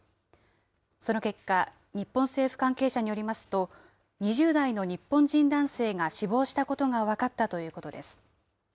その結果、日本政府関係者によりますと、２０代の日本人男性が死亡したことが分かったということです。